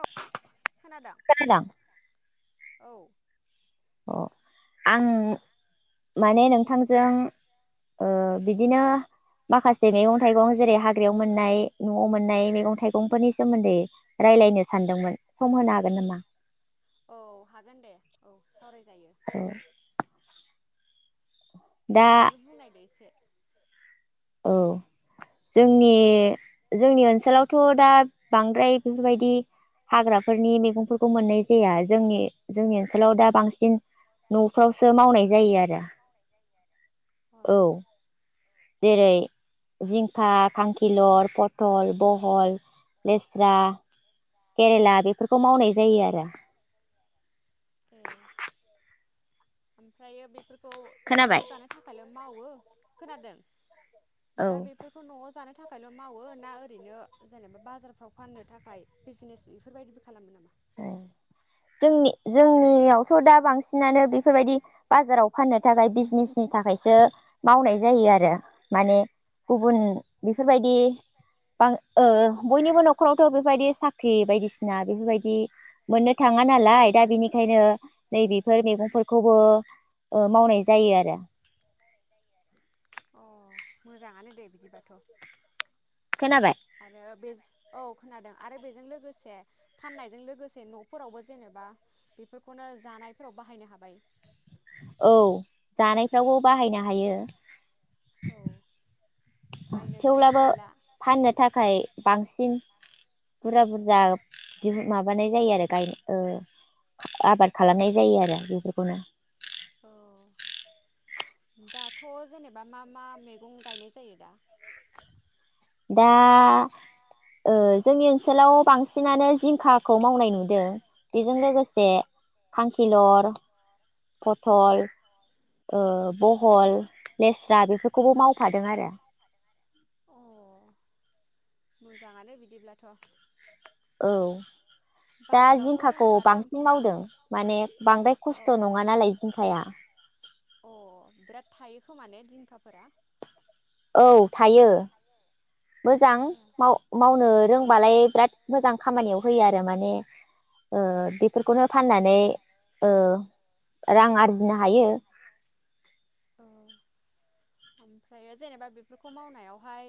औ खोनादो? औ। अ आं माने नोंथांजों ओ बिदिनो माखासे मैगं थाइगं जेरै हाग्रायाव मोननाय नआव मोननाय मैगं थाइगंफोरनि सोमोन्दै रायजलायनो सानदोंमोन सम होनो हागोन नामा? औ हागोन दे औ सावरायजायो। ओ दे नोङो बुंनायदो एसे। औ जोंनि जोंनि ओनसोलावथ दा बांद्राय बेफोरबायदि हाग्राफोरनि मैगंफोरखौ मोननाय जाया जोंनि जोंनि ओनसोलाव दा बांसिन न फ्रावसो मावनाय जायो आरो। औ जेरै जिंखा, खांखिलर, पथल, बहल, लेस्रा, केरेला बेफोरखौ मावनाय जायो आरो। ओमफायो बे फोरखौ नआव जानो थाखायल' मावो, खोनादों? दा बेफोरखौ न आव जानो थाखायल' मावो ना ओरैनो जेनेबा बाजारफ्राव फाननो थाखाय बिजनेस बेफोरबायदिबो खालामो नामा? जोंनि जोंनियावथ दा बांसिनानो बेफोरबायदि बाजाराव फाननो थाखाय बिजनेसनि थाखायसो मावनाय जायो आरो माने गुबुन बेफोरबायदि ओ बयनिबो न'खरावथ' बेफोरबायदि साख्रि बायदिसिना बेफोरबायदि दि मोननो थाङा नालाय दा बिनिखायनो नै बेफोर मैगंफोरखौबो मावनाय जायो आरो। मोजाङानो दे बिदिबाथ' आरो बे औ खोनादों आरो बेजों लोगोसे फाननायजों लोगोसे न'फोरावबो जेनेबा बेफोरखौनो जानायफोराव बाहायनो हाबाय। औ जानायफ्रावबो बाहायनो हायो। थेवब्लाबो फाननो थाखाय बांसिन बुरजा बुरजा बिह माबानाय जायो गाय ओ आबाद खालामनाय जायो आरो बेफोरखौनो। दाथ' जेनेबा मा मा मैगं गायनाय जायो दा? दा ओ जोंनि ओनसोलाव बांसिनानो जिंखाखौ मावनाय नुदों बेजों लोगोसे फांखिलर पथल ओ बहल लेस्रा बेफोरखौबो मावफादों आरो। मोजाङानो बिदिब्लाथ'। औ दा जिंखाखौ बांसिन मावदों माने बांद्राय खस्थ' नङा नालाय जिंखाया अ बिराद थायो खोमा ने दिंखाफोरा। औ थायो मोजां माव मावनो रों बालाय बिराद मोजां खामानियाव होयो आरो माने ओ बेफोरखौनो फाननानै ओ रां आरजिनो हायो। ओ ओमफ्राय जेनेबा बेफोरखौ मावनायाव हाय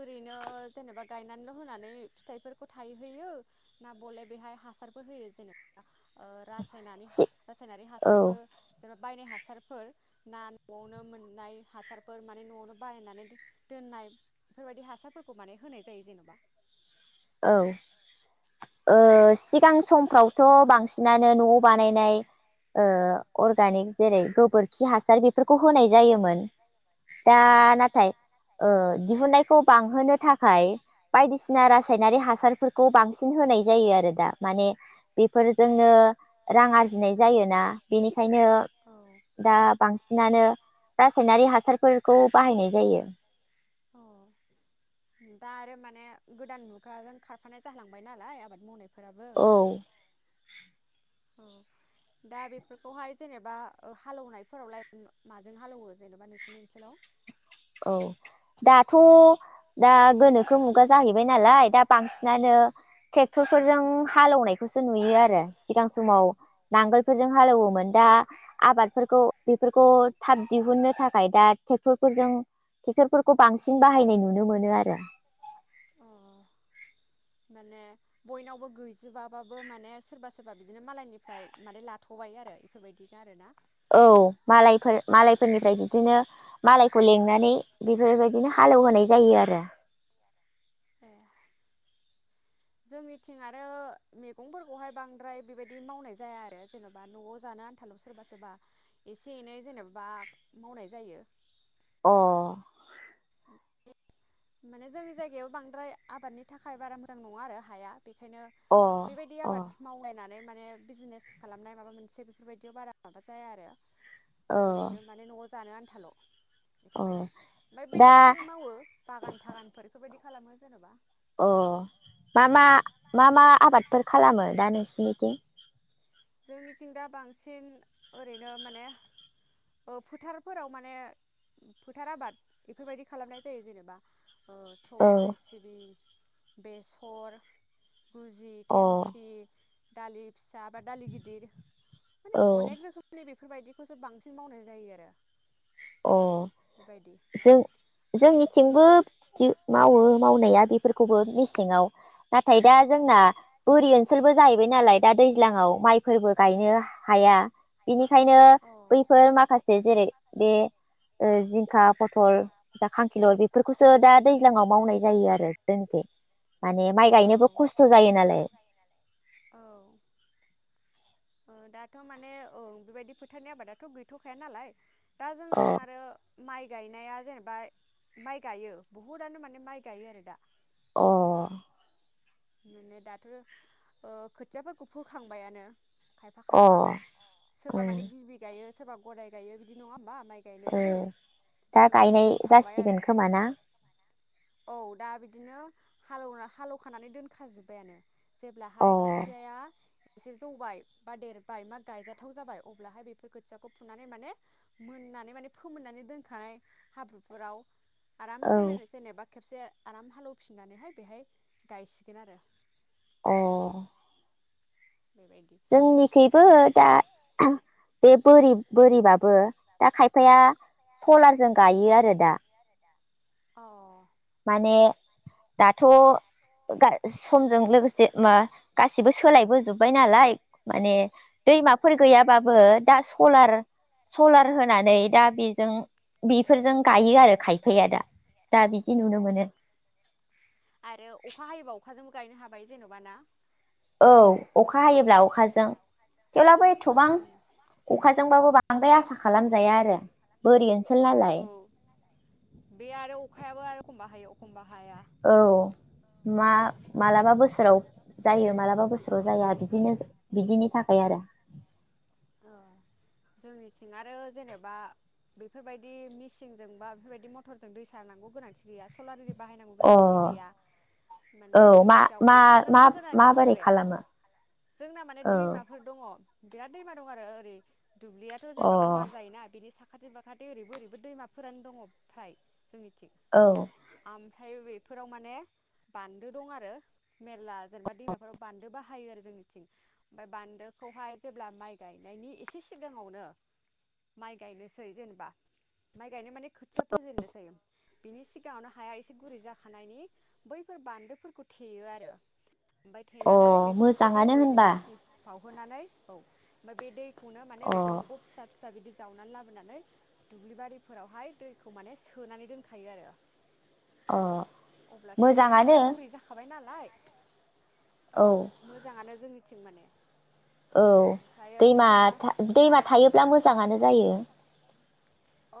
ओरैनो जेनेबा गायनानैल' होनानै फिथाइफोरखौ थाहोयो ना बले बेहाय हासारफोर होयो जेनेबा ओ रासायनानि रासायनारि हासारफोर जेनबा बायनो हानाय हासारफोर ना न'यावनो मोननाय हासारफोर माने न'यावनो बाहायनानै दोननाय बेफोर बायदि हासारफोरखौ माने होनाय जायो जेनबा। औ ओ सिगां समफ्रावथ' बांसिनानो नयाव बानायनाय ओ अर्गानिक जेरै गोबोरखि हासार बेफोरखौ होनाय जायोमोन। दा नाथाय ओ दिहुननायखौ बांहोनो थाखाय बायदिसिना रा नारि हासारफोरखौ बांसिन होनाय जायो आरो दा माने बेफोरजोंनो रां आरजिनाय जायोना बेनिखायनो दा बांसिनानो रासायनारि हासारफोरखौ बाहायनाय जायो। दा आरो माने गोदान मुगाजों खारफानाय जालांबाय नालाय आबाद मावनायफो [inaudible] दा बेफोरखौहाय जेनेबा हालौनायफोरावलाय माजों हालौवो जेनेबा नोंसिनि ओनसोलाव औ दाथ' दा गोनोखो मुगा जाहैबाय नालाय दा बांसिनानो ट्रेकटरफोरजों हालौनायखौसो नुयो आरो सिगां समाव नांगोलफोरजों हालेवोमोन दा आबादफोरखौ बेफोरखौ थाब दिहुननो थाखाय दा ट्रेकटरफोरजों। ट्रेकटरफोरखौ बांसिन बाहायनाय नुनो मोनो आरो। माने बयनावबो गैजोबाबाबो माने सोरबा सोरबा बिदिनो मालायनिफ्राय माने लाथ'बाय आरो इफोरबायदि आरो ना। औ मालायफोर मालायफोरनिफ्राय बिदिनो मालायखौ लिंनानै बेफोर बायदिनो हालेव होनाय जायो आरो। जोंनिथिं आरो मैगंफोरखौहाय बांद्राय बेबायदि मावनाय जाया आरो जेनेबा नयाव जानो आनथाल सोरबा सोरबा एसे एनै जेनेबा मावनाय जायो। अह माने जोंनि जायगायाव बांद्राय आबादनि थाखाय बारा मोजां नङा आरो हाया। बेखायनो बेबायदि आबाद मावलायनानै माने बिजनेस खालामनाय माबा मोनसे बेफोर बायदियाव बारा माबा जाया आरो ओरैनो माने न'याव जानो आन थाल बेफोर बायदि बेलेग फोर मावो बागान थागानफोर बेफोर बायदि। खालामो जेनेबा। अ मा मा मा मा आबादफोर खालामो दा नोंसिनिथिं। जोंनिथिं दा बांसिन ओरैनो माने ओ फोथारफोराव माने फोथार आबाद इफोर बायदि खालामनाय जायो जेनेबा। ओ सबाय सिबिं बेसर गुजि थेमसि दालि फिसा दालि गिदिर माने अनेक रोखोमनि बे बेफोर बायदिखौसो बांसिन मावनाय जायो आरो। अ जों जोंनिथिंबो दि मावो मावनाया बेफोरखौबो मेसेंयाव नाथाय दा जोंना बोरि ओनसोलबो जाहैबाय नालाय दा दैज्लांयाव माइफोरबो गायनो हाया बिनिखायनो बैफोर माखासे जेरै बे ओ जिंखा फथल दा खांखिलर बेफोरखौसो दा दैज्लां आव मावनाय जायो आरो जनिखि माने माइ गायनोबो खस्थ' जायो नालाय दाथ' माने ओ बेबायदि फोथारनि आबादाथ' गैथ'खाया नालाय दा जोंनिथिं आरो माइ माइ गायनाया जेनेबा माइ गायो बुहुद आंनो माने माइ गायो आरो दा अ माने दाथ' खोथियाफोरखौ फोखांबायानो खायफा खायफा सोरबा माने गिबि गायो सोरबा गदाइ गायो बिदि नङा होमबा माइ गायनायाबो सोरबा सोरबा फोखांबाय आरो औ दा बिदिनो हालेवना हालेवखानानै दोन खाजोब्बायानो जेब्लाहाय खोथियाया एसे जौबाय बा देरबाय मा गायजाथाव जाबाय अब्लाहाय बेफोर खोथियाखौ फुनानै माने मोननानै माने फोमोननानै दोनखानाय हाब्रुफोराव आरामसे मेले जेनेबा खेबसे आराम हालौफिनानैहाय बेहाय गायसि गोन आरो अ जोंनिखैबो दा बे बोरि बोरिबाबो दा खायफाया सलारजों गायो आरो दा अ माने दाथ' समजों लोगोसे मा गासिबो सोलायबोजोबाय नालाय माने दैमाफोर गैयाबाबो दा सलार सलार होनानै दा बेजों बेफोरजों गायो आरो खायफाया दा दा बि आरो अखा हायोबा अखाजोंबो गायनो हाबाय जेन'बा ना औ अखा हायोब्ला अखाजों थेवब्लाबो एथ'बां अखाजोंबाबो बां बांद्राय आसा खालामजाया आरो बोरि ओनसोल नालाय। बे आरो अखायाबो आरो एखमबा हायो एखमबा हाया औ मा मालाबा बोसोराव जायो मालाबा बोसोराव जाया बिदिनो बिदिनि थाखाय आरो। जोंनिथिं आरो जेनेबा बेफोरबायदि मिेसिनजों बा बेफोरबायदि मथरजों दै सारनांगौ गोनांथि गैया सलार [inaudible] बाहायनांगौ गोनांथि गैया माने जोंनिखायाव अखाजोंबो गोनांथि नंद्राया जोंना माने दैमाफोर दङ बिराद गो दै मार आरोय दुब्लियाथ' जेनेबा गुारायोना बेनि साख साखाथि बाखाथि ओरैबो ओरैबो दैमाफोरानो दङ्राय जोंनि आम ओमफ्राय बेफोराव माने बान्दो दं आरो मेरला जेनेबा दैमाफोराव बान्दो बाहायो आरो जोंनिथिं ओमफ्राय बान्दोखौहाय जे ब्ला माइ गायनायनि एसे सिगाङावनो माइ गायनोसै जेनेबा म गाय मे खुया फुजेन बिनि सिगाङावनो हाया एसे गुरै जाखानायनि बैफोर बान्दोफोरखौ थेयो आरो। ओमफ्राय थेनानै बेफोरखौ दैखौ एसे उसिफाव होनानै औ म बेल नो मै दंग फिसा फिसा बिदि जावनानै लाबोनानै दुब्लि बारिफोरावहाय दैखौ माने सोनानै दोनखायो आरो अब्लाथाय माने हाया गुरै जाखाबाय नालाय औ मोजाङानो जोंनि थिं माने। औ दैम दैमा थायोब्ला मोजाङानो जायो। औ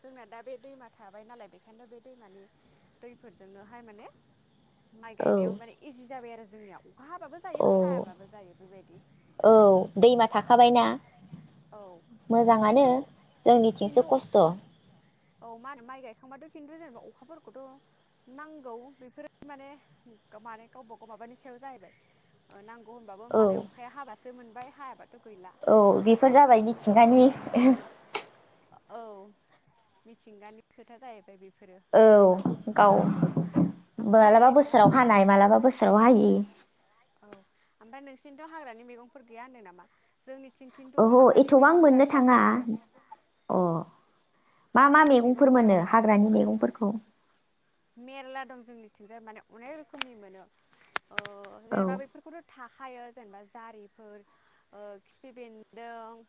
जोंना दा बे दैमा थाबाय नालाय बेखायनो बे दैमानि दैफोरजोंनोहाय माने माइ गायनाय मे इजि जाबाय आरो। जोंनियाव औ औ दैमा थाखाबायनाा मोजाङानो जोंनि थसो खस्थ'। औ मा होनो माइ गायखांबाथ' खिन्थु जेनेबा अखाफोरखौथ' नांगौ बेफोरो माने माने गावबा गाव माबानि सायाव जाहैबाय नांगौ होनबाबो मालाय अखाया हाबासो मोन बाय हायाबाद औ बेफोर जाबाय मिथिंगानि औ मिथिंगानि खोथा जाहैबाय बेफोर औ गाव माबा्लाबा बोसोराव हानाय मालाबा बोसोराव हायि औ ओमफ्राय नोंसिनिथ' हाग्रानि मैगंफोर गैया होनदों नामा जोंनि अह एथ'बां मोननो थाङा अ। मा मा मैगंफोर मोनो हाग्रानि मैगंफोरखौ? जोंनिथिंजाय माने अनेक रोखोमनि मोनो। अ जेनेबा बेफोरखौथ' थाख हायो जेनेबा जारिफोर, खिफि बेन्दों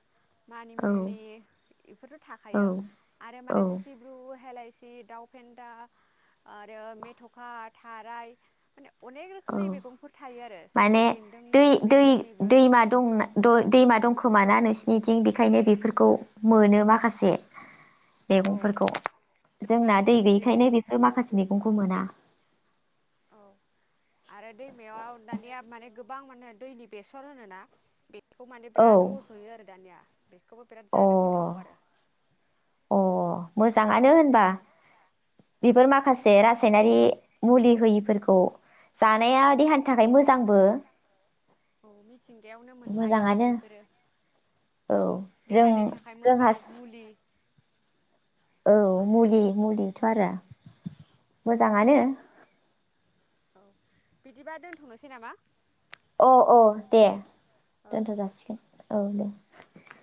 मानि मुनि बेफोरथ' थाखायो आरो माने सिब्रु हलाइसि दाउ फेन्दा आरो मेथ'खा थाराय मे औ माने दै दै दैमा दं दैमा दंखोमाना नोंस सिनिथिं बेखायनो बेफोरखौ मोनो माखासे। मैगंफोरखौ जोंना दै गैयैखायनो बेफोर माखासेनि [unintelligible] मोना। आरो दैमायाव दानिया माने गोबां माने दैनि बेसर होनोना [unintelligible] बेखौ माने बिराद रज'यो आरो दानिया। अ अ। मोजाङानो होनबा बेफोर माखासे रासायनारि मुलि होयिफोरखौ जानाया देहानि [unintelligible] थाखाय मोजांबो। औ [unintelligible] मिथिंगायावनो मोननाय बेफोरो देहानि थाखाय मोजां मुलि। औ मुलि मुलिथ' आरो मोजाङानो। औ बिदिबा दोनथ'नोसै नामा? औ औ दे दोनथ' जासिगोन। औ दे।